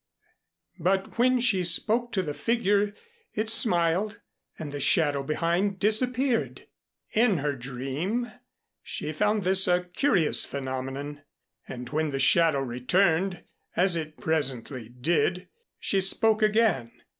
But when she spoke to the figure it smiled and the shadow behind disappeared. In her dream, she found this a curious phenomenon, and when the shadow returned, as it presently did, she spoke again.